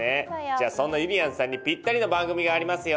じゃあそんなゆりやんさんにぴったりの番組がありますよ！